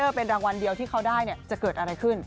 เป็นรางวัลเดียวที่เขาได้จะเกิดอะไรขึ้น